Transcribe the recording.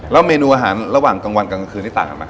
เมนูอาหารระหว่างกลางวันกลางคืนนี้ต่างกันไหม